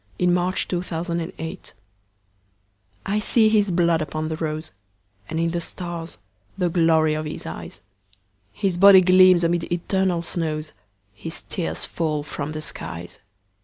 I see His Blood upon the Rose I SEE his blood upon the roseAnd in the stars the glory of his eyes, His body gleams amid eternal snows, His tears fall from the skies.